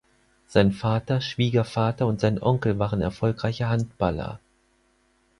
Sein Vater, Schwiegervater und sein Onkel waren erfolgreiche Handballer.